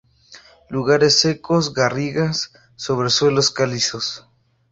Lugares secos, garrigas, sobre suelos calizos.